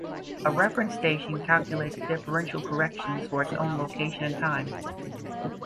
A reference station calculates differential corrections for its own location and time.